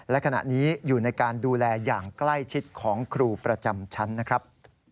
และขณะนี้อยู่ในการดูแลอย่างใกล้ชิดของครูประจำชั้นนะครับ